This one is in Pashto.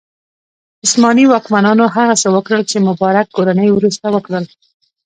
عثماني واکمنانو هغه څه وکړل چې مبارک کورنۍ وروسته وکړل.